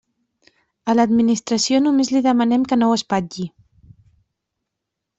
A l'Administració només li demanem que no ho espatlli.